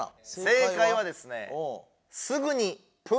正解はですね